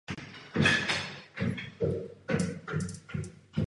Poté vzniklo ještě několik filmů.